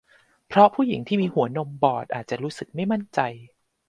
เพราะผู้หญิงที่มีหัวนมบอดอาจจะรู้สึกไม่มั่นใจ